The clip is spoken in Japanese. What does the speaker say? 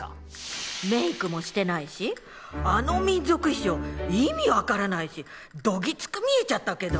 メイクもしてないしあの民族衣装意味分からないしどぎつく見えちゃったけど。